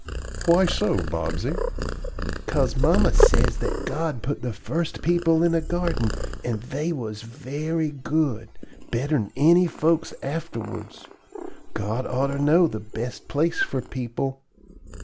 "Why so, Bobsey?" "'Cause mamma says that God put the first people in a garden and they was very good, better'n any folks afterwards. God oughter know the best place for people."